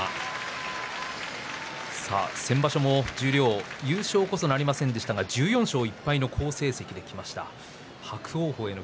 先場所も優勝こそなりませんでしたが１４勝１敗の好成績で幕内に上がっています。